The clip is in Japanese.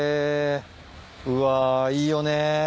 うわいいよね。